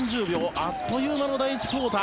あっという間の第１クオーター。